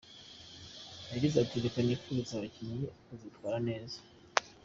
Yagize ati “ Reka nifurize abakinnyi kuzitwara neza.